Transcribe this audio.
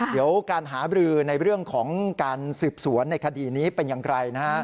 เดี๋ยวการหาบรือในเรื่องของการสืบสวนในคดีนี้เป็นอย่างไร